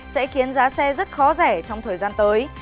sẽ khiến giá xe rất khó rẻ trong thời gian tới